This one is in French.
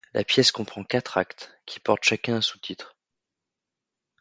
La pièce comprend quatre actes, qui portent chacun un sous-titre.